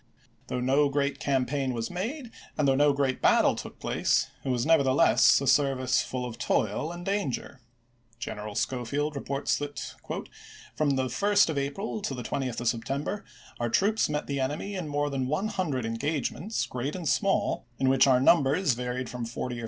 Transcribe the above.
Though no great campaign was made, and though no great battle took place, it was neverthe less a service full of toil and danger. General Schofield reports that, " From the 1st of April to the 20th of September our troops met the enemy in more than one hundred engagements, great and gchoaeid small, in which our numbers varied from forty or ^fi?'